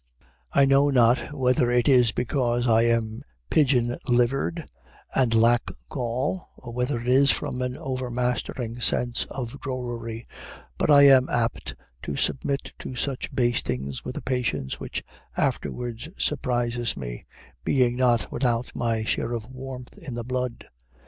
I know not whether it is because I am pigeon livered and lack gall, or whether it is from an overmastering sense of drollery, but I am apt to submit to such bastings with a patience which afterwards surprises me, being not without my share of warmth in the blood.